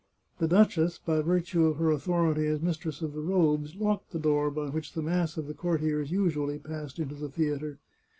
The duchess, by virtue of her au thority as mistress of the robes, locked the door by which the mass of the courtiers usually passed into the theatre.